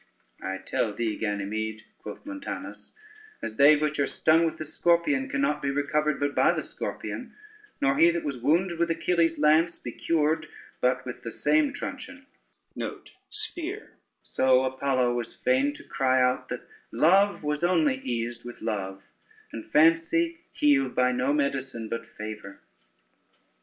"I tell thee, Ganymede," quoth Montanus, "as they which are stung with the scorpion, cannot be recovered but by the scorpion, nor he that was wounded with Achilles' lance be cured but with the same truncheon, so Apollo was fain to cry out that love was only eased with love, and fancy healed by no medicine but favor.